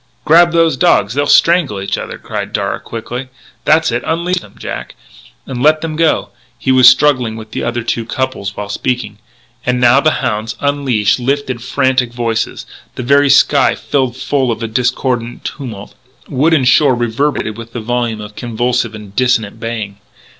"Grab those dogs! They'll strangle each other," cried Darragh quickly. "That's it unleash them, Jack, and let them go!" he was struggling with the other two couples while speaking. And now the hounds, unleashed, lifted frantic voices. The very sky seemed full of the discordant tumult; wood and shore reverberated with the volume of convulsive and dissonant baying.